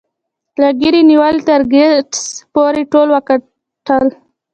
له ګيري نیولې تر ګیټس پورې ټولو وګټل